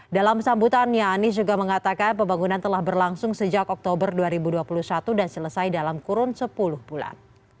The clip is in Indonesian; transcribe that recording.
dalam sambutannya anies juga mengatakan pembangunan telah berlangsung sejak oktober dua ribu dua puluh satu dan selesai dalam kurun sepuluh bulan